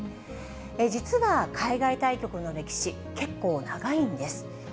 実は海外対局の歴史、結構長いんです。